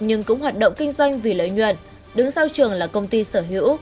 nhưng cũng hoạt động kinh doanh vì lợi nhuận đứng sau trường là công ty sở hữu